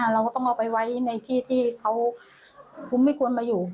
เราก็ต้องเอาไปไว้ในที่ที่เขาไม่ควรมาอยู่